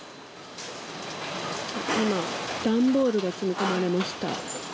今、段ボールが積み込まれました。